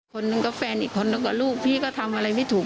คนนั้นก็แฟนอีกคนแล้วก็ลูกพี่ก็ทำอะไรไม่ถูก